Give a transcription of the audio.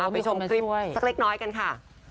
ไปชมคลิปสักเล็กน้อยกันค่ะ